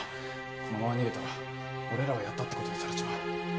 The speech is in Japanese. このまま逃げたら俺らがやったって事にされちまう。